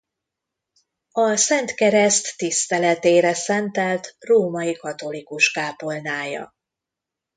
A Szent Kereszt tiszteletére szentelt római katolikus kápolnája.